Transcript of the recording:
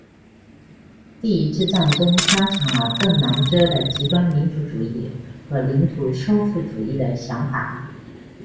第一次战争加强了邓南遮的极端民族主义和领土收复主义的想法。